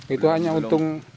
itu hanya untung